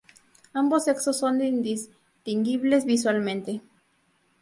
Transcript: Ambos sexos son indistinguibles visualmente.